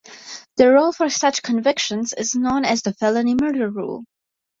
The rule for such convictions is known as the felony murder rule.